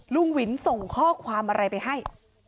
ลุงวินส่งข้อความอะไรไปให้